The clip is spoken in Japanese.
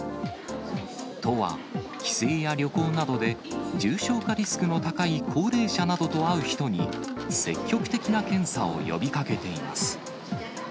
都は、帰省や旅行などで、重症化リスクの高い高齢者などと会う人に、積極的な検査を呼びかけています。